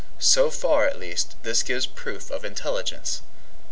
So far, at least, this gives proof of intelligence.